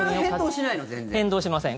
変動しません。